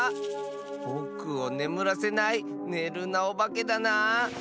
ぼくをねむらせない「ねるなおばけ」だな。